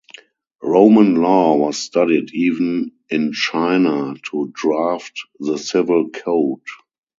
Roman law was studied even in China to draft the civil code.